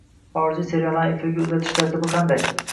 Xorijiy seriallarni efirga uzatish tartibi qanday?